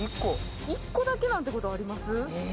１個だけなんてことあります？